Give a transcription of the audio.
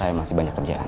saya masih banyak kerjaan